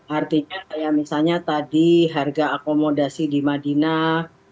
artinya kayak misalnya tadi harga akomodasi di madinah